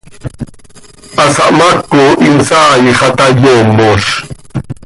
Hasahmaaco hin saai xah ta yoomoz.